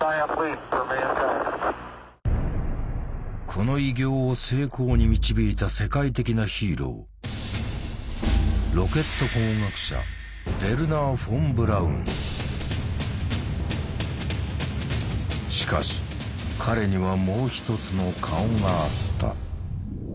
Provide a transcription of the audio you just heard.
この偉業を成功に導いた世界的なヒーローしかし彼にはもう一つの顔があった。